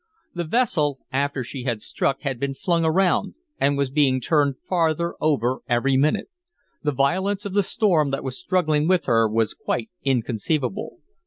The vessel after she had struck had been flung around and was being turned farther over every minute. The violence of the storm that was struggling with her was quite inconceivable.